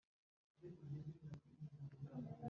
umuntu uwo ari we wese arashobora kwishima no kumurika;